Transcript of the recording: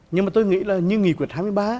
nhưng mà tôi nghĩ là như nghị quyết hai mươi ba